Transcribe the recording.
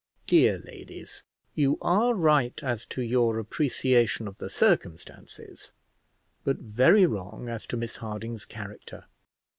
Dear ladies, you are right as to your appreciation of the circumstances, but very wrong as to Miss Harding's character.